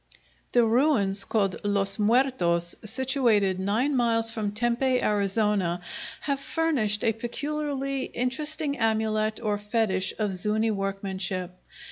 The ruins called Los Muertos, situated nine miles from Tempe, Arizona, have furnished a peculiarly interesting amulet or fetish of Zuñi workmanship.